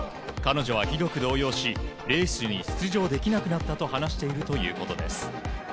彼女はひどく動揺しレースに出場できなくなったと話しているということです。